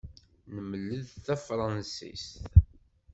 Nemled tafṛansist.